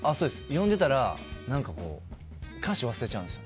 読んでたら歌詞を忘れちゃうんですよ。